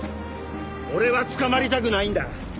俺は捕まりたくないんだ。